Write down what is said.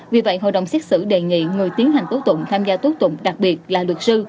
vì vậy hội đồng xét xử đề nghị người tiến hành tố tụng tham gia tố tụng đặc biệt là luật sư